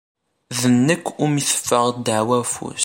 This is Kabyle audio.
D nekk umi teffeɣ ddeɛwa afus.